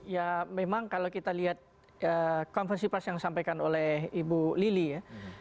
ya memang kalau kita lihat konversi pers yang disampaikan oleh ibu lili ya